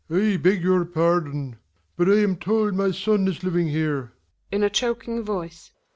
Werle. I beg your pardon; but I am told my son ie living here. GiNA {in a choking voice).